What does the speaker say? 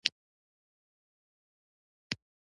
کرت لومړی صراف وو او په چارسو کې يې کاروبار کاوه.